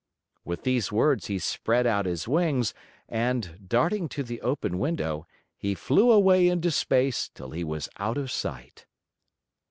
With these words he spread out his wings and, darting to the open window, he flew away into space till he was out of sight.